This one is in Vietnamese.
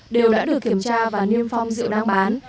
đều đã được kiểm tra và niêm phong dự đang bán